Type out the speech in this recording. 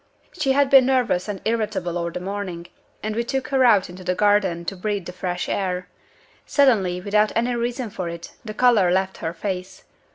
"She had been nervous and irritable all the morning; and we took her out into the garden to breathe the fresh air. Suddenly, without any reason for it, the color left her face.